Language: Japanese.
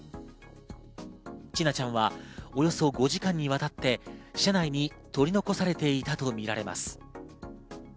千奈ちゃんはおよそ５時間にわたって車内に取り残されていたとみられます。